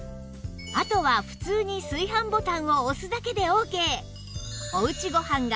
あとは普通に炊飯ボタンを押すだけでオーケー